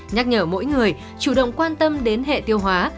nhắc nhở mỗi người chủ động quan tâm đến hệ tiêu hóa